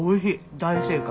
大正解。